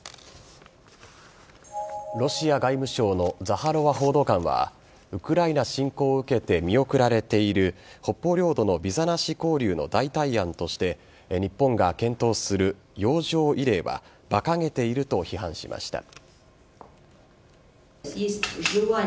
ロシア外務省のザハロワ報道官はウクライナ侵攻を受けて見送られている北方領土のビザなし交流の代替案として日本が検討する洋上慰霊はばかげていると批判しました。